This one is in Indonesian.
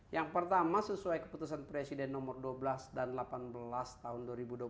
yang pertama sesuai keputusan presiden nomor dua belas dan delapan belas tahun dua ribu dua puluh satu